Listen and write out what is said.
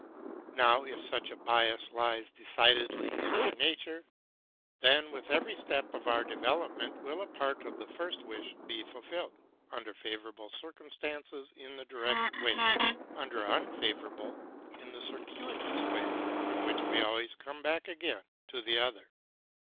Now, if such a bias lies decidedly in our nature, then, with every step of our development will a part of the first wish be ful filled, —under favorable circumstances in the direct way, under unfavorable in the circuitous way, from which we always come back again to the other.